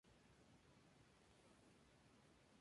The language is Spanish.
Las lonchas se pueden tomar solas o mojadas en la salsa.